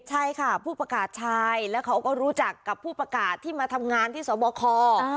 ใช่ค่ะผู้ประกาศชายแล้วเขาก็รู้จักกับผู้ประกาศที่มาทำงานที่สวบค